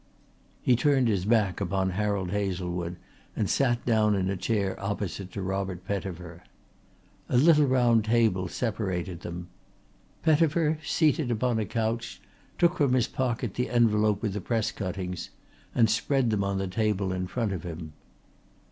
He turned his back upon Harold Hazlewood and sat down in a chair opposite to Robert Pettifer. A little round table separated them. Pettifer, seated upon a couch, took from his pocket the envelope with the press cuttings and spread them on the table in front of him.